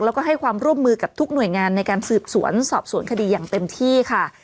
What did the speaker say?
แล้วก็ให้ความร่วมมือกับทุกหน่วยงานในการสืบสวนสอบสวนคดีอย่างเต็มที่ค่ะ